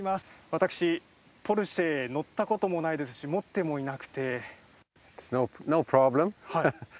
私、ポルシェ乗ったこともないですし、もってもいなくて。